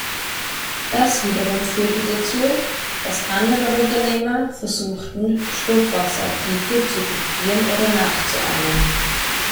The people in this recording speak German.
Das wiederum führte dazu, dass andere Unternehmer versuchten Stobwasser-Artikel zu kopieren oder nachzuahmen.